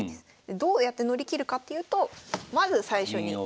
どうやって乗り切るかっていうとまず最初に銀を打つ。